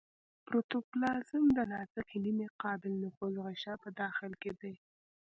پروتوپلازم د نازکې نیمه قابل نفوذ غشا په داخل کې دی.